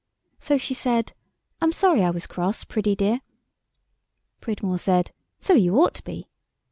So she said, "I'm sorry I was cross, Priddy dear." Pridmore said, "So you ought to be."